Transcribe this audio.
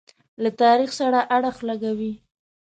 له تاریخ سره اړخ لګوي.